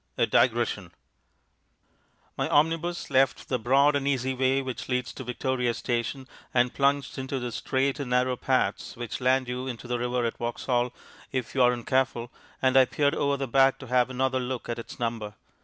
A Digression My omnibus left the broad and easy way which leads to Victoria Station and plunged into the strait and narrow paths which land you into the river at Vauxhall if you aren't careful, and I peered over the back to have another look at its number.